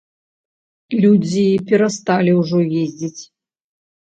Людзі перасталі ўжо ездзіць.